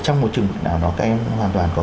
trong một trường nào đó các em hoàn toàn có